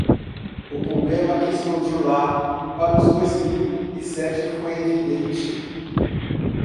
O problema que explodiu lá para os dois mil e sete foi evidente.